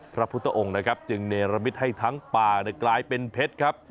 พระพุทธองค์นะครับจึงเนรมิตให้ทั้งป่ากลายเป็นเพชรครับ